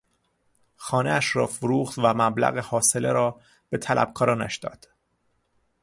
خانهاش را فروخت و مبلغ حاصله را به طلبکارانش داد.